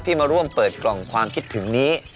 มาร่วมเปิดกล่องความคิดถึงนี้